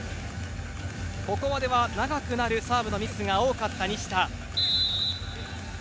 ここまでは長くなるサーブのミスが多かった西田。